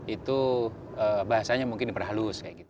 itu bahasanya mungkin diperhalus kayak gitu